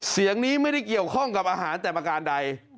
เสียงนี้ไม่ได้เกี่ยวข้องกับอาหารแต่ประการใด